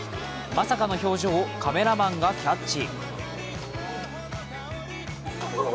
まさかの表情をカメラマンがキャッチ。